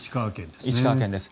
石川県ですね。